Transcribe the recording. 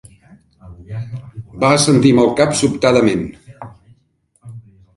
Va assentir amb el cap sobtadament.